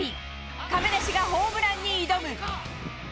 亀梨がホームランに挑む。